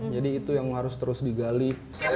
jadi itu yang harus terus digali